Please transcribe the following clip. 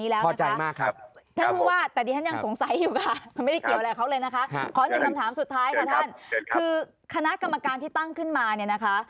ไม่ตั้งคำถามครับถ้าได้คำตอบแบบนี้แล้วนะคะถ้าได้คำตอบแบบนี้แล้วนะคะ